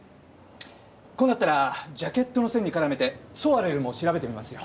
こうなったらジャケットの線に絡めてソワレルも調べてみますよ。